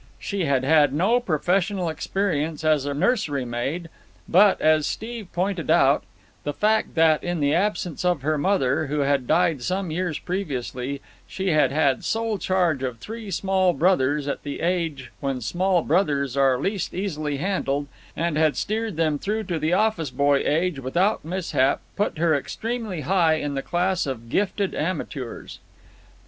She had had no professional experience as a nursery maid; but, as Steve pointed out, the fact that, in the absence of her mother, who had died some years previously, she had had sole charge of three small brothers at the age when small brothers are least easily handled, and had steered them through to the office boy age without mishap, put her extremely high in the class of gifted amateurs.